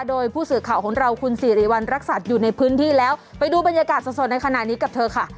โดยผู้สื่อข่าวของเราคุณสิริวัณรักษัตริย์อยู่ในพื้นที่แล้วไปดูบรรยากาศสดในขณะนี้กับเธอค่ะ